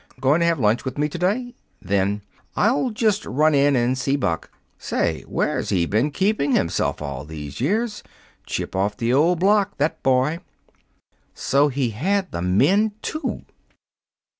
Going to have lunch with me to day?" Then: "I'll just run in and see Buck. Say, where's he been keeping himself all these years? Chip off the old block, that boy." So he had the men, too!